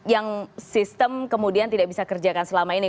yang sistem kemudian tidak bisa kerjakan selama ini